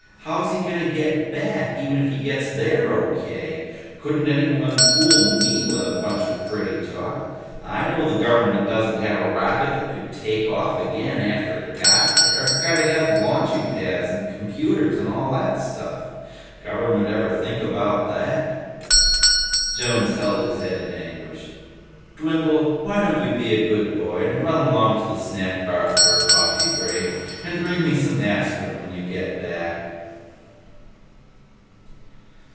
"How's he gonna get back, even if he gets there O.K.? Couldn't anyone fool me with a bunch of pretty talk; I know the government doesn't have a rocket that could take off again after it got there. Gotta have launching pads and computers and all that stuff. Government ever think about that?" Jones held his head in anguish. "Dwindle, why don't you be a good boy and run along to the snack bar for a coffee break? And bring me some aspirin when you come back."